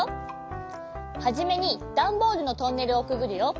はじめにダンボールのトンネルをくぐるよ。